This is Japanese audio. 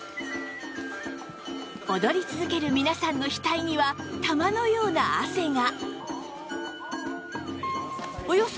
踊り続ける皆さんの額には玉のような汗が